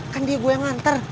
kan dia gua yang nganter